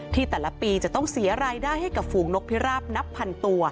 แต่ละปีจะต้องเสียรายได้ให้กับฝูงนกพิราบนับพันตัว